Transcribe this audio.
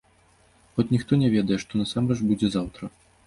Хоць ніхто не ведае, што насамрэч будзе заўтра.